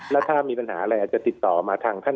แล้วถ้ามีปัญหาอะไรอาจจะติดต่อมาทางท่าน